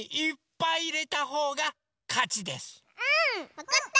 わかった！